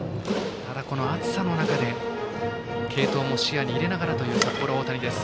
ただ、この暑さの中で継投も視野に入れながらという札幌大谷です。